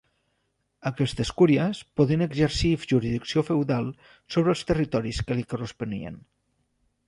Aquestes cúries podien exercir jurisdicció feudal sobre els territoris que li corresponien.